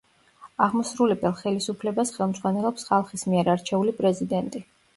აღმასრულებელ ხელისუფლებას ხელმძღვანელობს ხალხის მიერ არჩეული პრეზიდენტი.